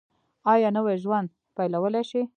ایا نوی ژوند پیلولی شئ؟